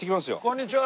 こんにちは。